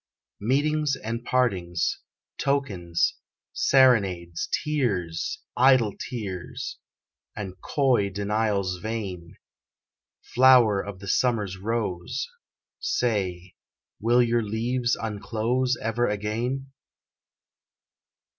Meetings and partings, tokens, serenades, Tears idle tears and coy denials vain; Flower of the summer's rose, Say, will your leaves unclose Ever again?